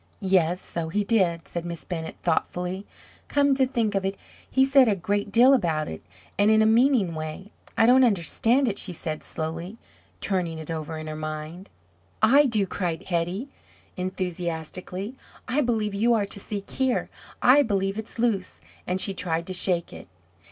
"Yes, so he did," said Miss Bennett thoughtfully; "come to think of it, he said a great deal about it, and in a meaning way. I don't understand it," she said slowly, turning it over in her mind. "I do!" cried Hetty, enthusiastically. "I believe you are to seek here! I believe it's loose!" and she tried to shake it.